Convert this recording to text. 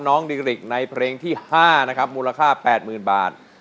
น้องดิริกในเพลงที่๕นะครับมูลค่า๘๐๐๐บาท